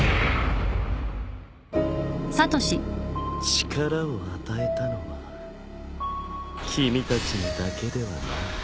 力を与えたのは君たちにだけではない。